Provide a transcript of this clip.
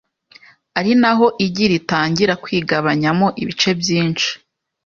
Ari naho igi ritangira kwigabanyamo ibice byinshi